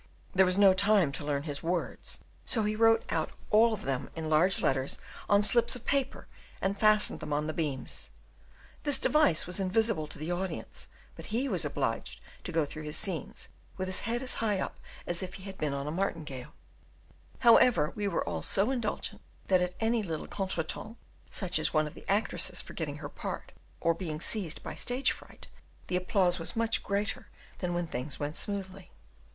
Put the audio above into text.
There was no time to learn his "words," so he wrote out all of them in large letters on slips of paper and fastened them on the beams. This device was invisible to the audience, but he was obliged to go through his scenes with his head as high up as if he had on a martingale; however, we were all so indulgent that at any little contretemps, such as one of the actresses forgetting her part or being seized by stage fright, the applause was much greater than when things went smoothly.